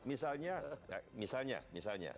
misalnya misalnya misalnya